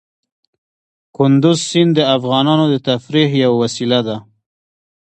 کندز سیند د افغانانو د تفریح یوه وسیله ده.